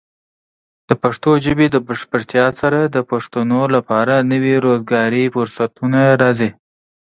د پښتو ژبې د بشپړتیا سره، د پښتنو لپاره نوي روزګاري فرصتونه راځي.